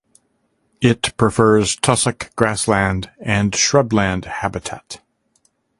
It prefers tussock grassland and shrubland habitat.